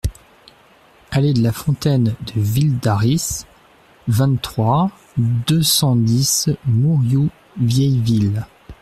Allée de la Fontaine de Villedaris, vingt-trois, deux cent dix Mourioux-Vieilleville